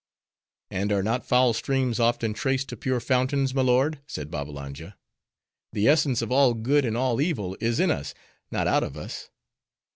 "And are not foul streams often traced to pure fountains, my lord?" said Babbalanja. "The essence of all good and all evil is in us, not out of us.